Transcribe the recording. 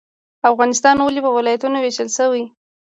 افغانستان ولې په ولایتونو ویشل شوی؟